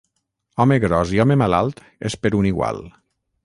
Home gros i home malalt és per un igual.